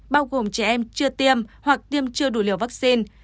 bao gồm trẻ em chưa tiêm hoặc tiêm chưa đủ liều vaccine